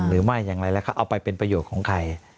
หรือไม่อย่างไรแล้วก็เอาไปเป็นประโยชน์ของใคร